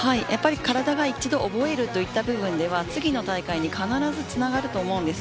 体が一度覚えるということで次の大会に必ずつながると思います。